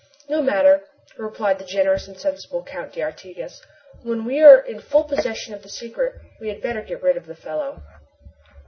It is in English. "No matter," replied the generous and sensible Count d'Artigas, "when we are in full possession of the secret we had better get rid of the fellow."